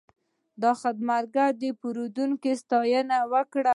دا خدمتګر د پیرودونکي ستاینه وکړه.